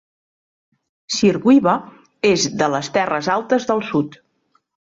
Sir Wiwa és de les Terres altes del sud.